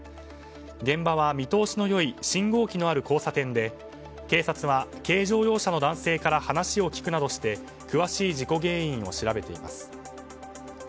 現場は見通しの良い信号機のある交差点で警察は軽乗用車の男性から話を聞くなどして詳しい事故原因を調べています。